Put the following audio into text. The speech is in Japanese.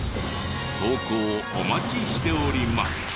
投稿お待ちしております。